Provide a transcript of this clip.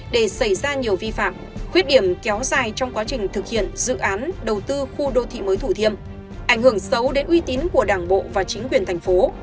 để xảy ra nhiều vi phạm khuyết điểm kéo dài trong quá trình thực hiện dự án đầu tư khu đô thị mới thủ thiêm ảnh hưởng xấu đến uy tín của đảng bộ và chính quyền thành phố